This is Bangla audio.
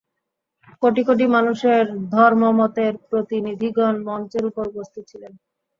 কোটি কোটি মানুষের ধর্মমতের প্রতিনিধিগণ মঞ্চের উপর উপস্থিত ছিলেন।